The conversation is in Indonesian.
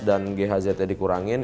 dan ghz nya dikurangin